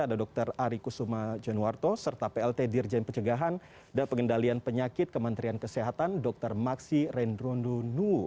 ada dr ari kusuma jenuarto serta plt dirjen pencegahan dan pengendalian penyakit kementerian kesehatan dr maksi rendrondunuo